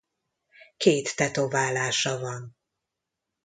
Két tetoválása van.